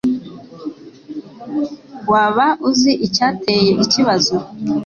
Waba uzi icyateye ikibazo?